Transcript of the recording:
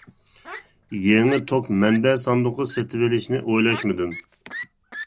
يېڭى توك مەنبە ساندۇقى سېتىۋېلىشنى ئويلاشمىدىم.